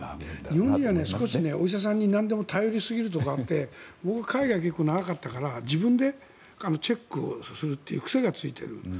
日本人は、お医者さんになんでも頼りすぎるところがあって僕は海外が結構長かったから自分でチェックをするという癖がついている。